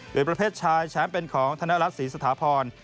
โดยประเภทชายแชมป์เป็นของธนรัฐศรีสถาพร